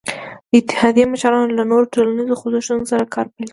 د اتحادیې مشرانو له نورو ټولنیزو خوځښتونو سره کار پیل کړ.